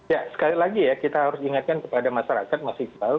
ya sekali lagi ya kita harus ingatkan kepada masyarakat mas iqbal